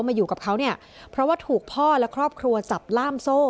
มาอยู่กับเขาเนี่ยเพราะว่าถูกพ่อและครอบครัวจับล่ามโซ่